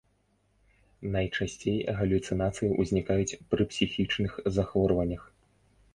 Найчасцей галюцынацыі ўзнікаюць пры псіхічных захворваннях.